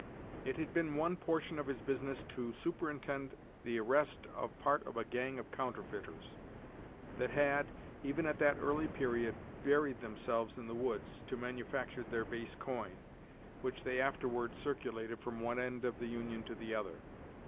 It had been one portion of his business to superintend the arrest of part of a gang of counterfeiters, that had, even at that early period, buried themselves in the woods, to manufacture their base coin, which they afterward circulated from one end of the Union to the other.